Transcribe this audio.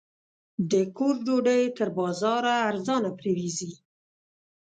د کور ډوډۍ تر بازاره ارزانه پرېوځي.